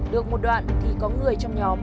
được một đoạn thì có người trong nhóm